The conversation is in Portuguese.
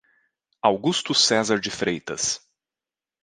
Augusto Cesar de Freitas